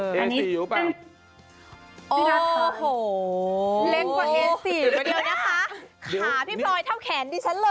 ตอนที่ดูใส่เกลียดขัดสั้น